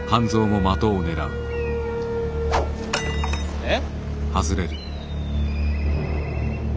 えっ？